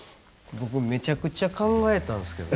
僕めちゃくちゃ考えたんすけど。